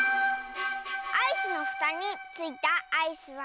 アイスのふたについたアイスは。